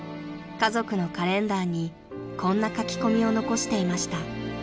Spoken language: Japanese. ［家族のカレンダーにこんな書き込みを残していました］